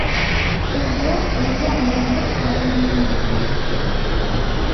Yuba yella iɣelleq ɣef yiman-nnes.